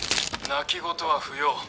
泣き言は不要。